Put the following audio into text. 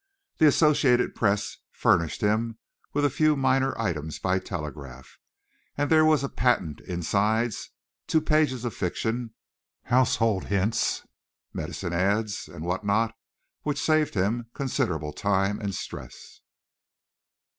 The Associated Press furnished him with a few minor items by telegraph, and there was a "patent insides," two pages of fiction, household hints, medicine ads. and what not, which saved him considerable time and stress.